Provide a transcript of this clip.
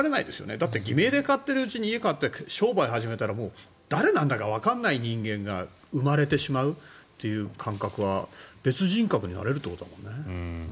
だって偽名で買っているうちに家を買って、商売始めたら誰なのかわからない人間が生まれてしまう感覚は別人格になれるということだもんね。